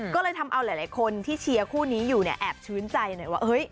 ก็เลยทำเอาหลายคนที่เชียร์คู่นี้อยู่เนี่ยแอบชื้นใจหน่อยว่าเฮ้ย